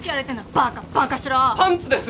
パンツです！